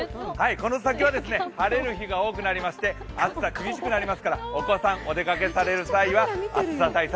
この先は晴れる日が多くなりまして暑さ厳しくなりますからお子さん、お出かけされる際は、暑さ対策